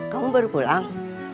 kamu baru pulang